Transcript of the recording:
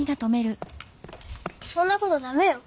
そんなことだめよ。